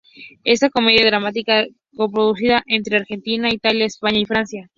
Es una comedia dramática coproducida entre Argentina, Italia, España y Francia.